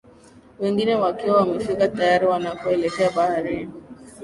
Wengine wakiwa wamefika tayari wanakoelekea baharini